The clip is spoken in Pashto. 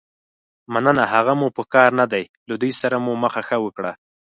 مننه، هغه مو په کار نه دي، له دوی سره مو مخه ښه وکړه.